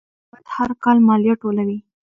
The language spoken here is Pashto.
حکومت هر کال مالیه ټولوي.